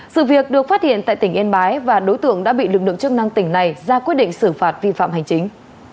sự việc được phát hiện tại tỉnh yên bái và đối tượng đã bị lực lượng chức năng tỉnh này ra quyết định xử phạt vi phạm hành chính